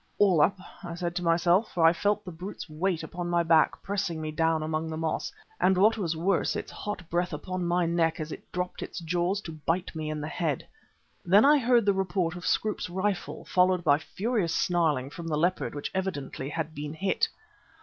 "All up!" I said to myself, for I felt the brute's weight upon my back pressing me down among the moss, and what was worse, its hot breath upon my neck as it dropped its jaws to bite me in the head. Then I heard the report of Scroope's rifle, followed by furious snarling from the leopard, which evidently had been hit.